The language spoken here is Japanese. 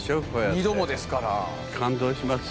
二度もですから。